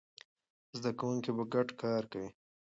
زده کوونکي به ګډ کار کوي.